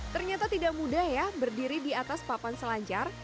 ternyata tidak mudah ya berdiri di atas papan selancar